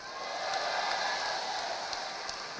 jadilah banteng sejati